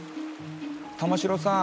玉城さん。